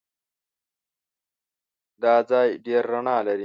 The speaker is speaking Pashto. دا ځای ډېر رڼا لري.